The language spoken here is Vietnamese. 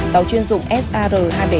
tàu chuyên dụng sar hai trăm bảy mươi hai